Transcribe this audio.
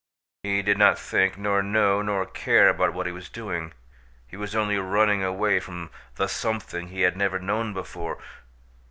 He did not think nor know nor care about what he was doing. He was only running away from the something he had never known before!